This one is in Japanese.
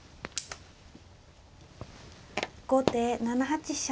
後手７八飛車成。